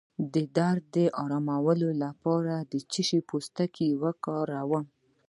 د درد د ارامولو لپاره د څه شي پوستکی وکاروم؟